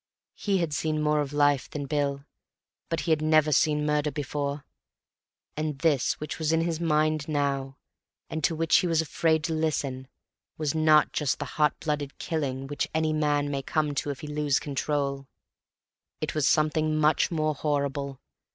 He had seen more of life than Bill, but he had never seen murder before, and this which was in his mind now, and to which he was afraid to listen, was not just the hot blooded killing which any man may come to if he lose control. It was something much more horrible.